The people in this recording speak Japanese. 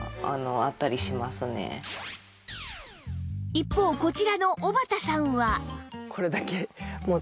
一方こちらのおばたさんは